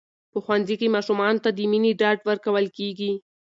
په ښوونځي کې ماشومانو ته د مینې ډاډ ورکول کېږي.